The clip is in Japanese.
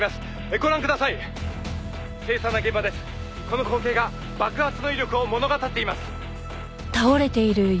「この光景が爆発の威力を物語っています」